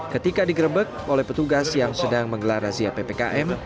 ketika digerebek oleh petugas yang sedang menggelar razia ppkm